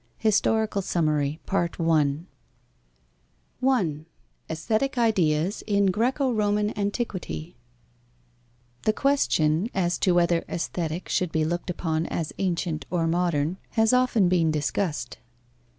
HISTORICAL SUMMARY I AESTHETIC IDEAS IN GRAECO ROMAN ANTIQUITY The question, as to whether Aesthetic should be looked upon as ancient or modern, has often been discussed.